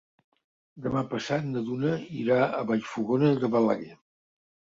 Demà passat na Duna irà a Vallfogona de Balaguer.